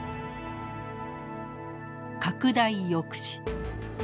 拡大抑止。